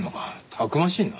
たくましいな。